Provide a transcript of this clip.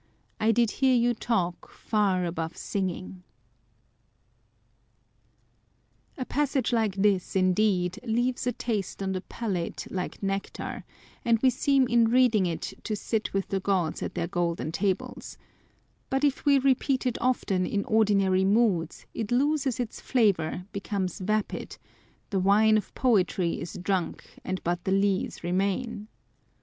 I did hear you talk Far above singing ! A passage like this, indeed, leaves a taste on the palate like nectar, and we seem in reading it to sit with the gods at their golden tables : but if we repeat it often in ordi nary moods, it loses its flavour, becomes vapid, " the wine On the Pleasure of Hating . 187 of poetry is drunk, and but the lees remain."